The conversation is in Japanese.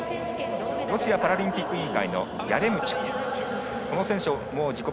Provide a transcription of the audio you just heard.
ロシアパラリンピック委員会の選手。